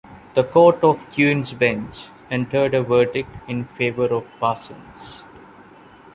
The Court of Queen's Bench entered a verdict in favour of Parsons.